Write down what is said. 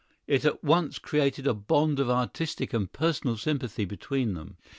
It at once created a bond of artistic and personal sympathy between them.